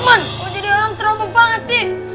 kok jadi orang terlalu banget sih